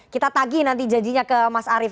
kita tagih nanti janjinya ke mas arief